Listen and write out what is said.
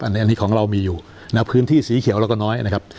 อันนี้ของเรามีอยู่นะพื้นที่สีเขียวเราก็น้อยนะครับ